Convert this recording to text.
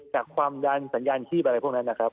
จากความดันสัญญาณชีพอะไรพวกนั้นนะครับ